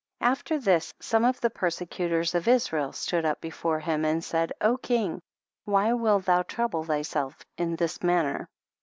After this, some of the persecutors of Israel stood up before him and said, O king, whv wilt thou trouble thyself in this manner?